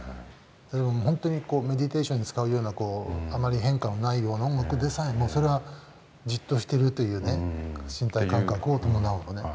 本当にメディテーションに使うようなあまり変化のない音楽でさえもそれはじっとしてるという身体感覚を伴うのね。